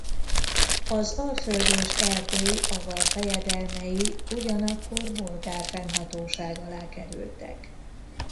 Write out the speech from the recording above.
Az Alföld és Erdély avar fejedelmei ugyanakkor bolgár fennhatóság alá kerültek.